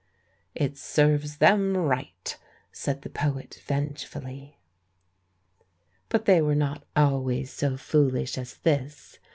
"It serves them right," said the poet venge fully. But they were not always so foolish as this.